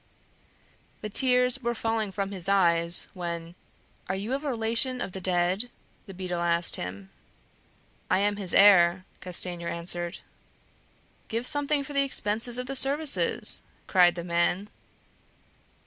The tears were falling from his eyes when "Are you a relation of the dead?" the beadle asked him. "I am his heir," Castanier answered. "Give something for the expenses of the services!" cried the man.